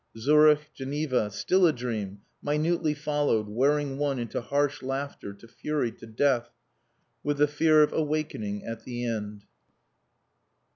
Zurich, Geneva still a dream, minutely followed, wearing one into harsh laughter, to fury, to death with the fear of awakening at the end.